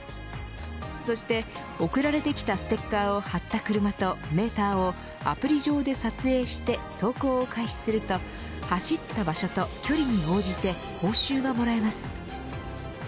そして送られてきたステッカーを貼った車とメーターを、アプリ上で撮影して走行を開始すると、走った場所と距離に応じて報酬がもらえます。